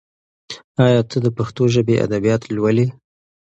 ایا ته د پښتو ژبې ادبیات لولي؟